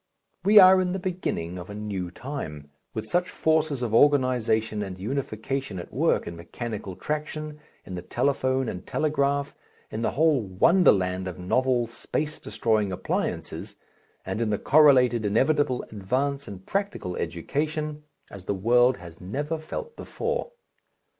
We are in the beginning of a new time, with such forces of organization and unification at work in mechanical traction, in the telephone and telegraph, in a whole wonderland of novel, space destroying appliances, and in the correlated inevitable advance in practical education, as the world has never felt before.